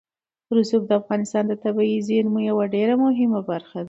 رسوب د افغانستان د طبیعي زیرمو یوه ډېره مهمه برخه ده.